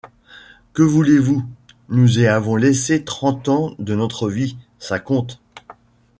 Que voulez-vous? nous y avons laissé trente ans de notre vie, ça compte!